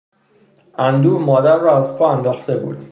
اندوه، مادر را از پا انداخته بود.